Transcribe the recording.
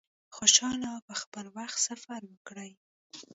خوشحاله او په خپل وخت سفر وکړی.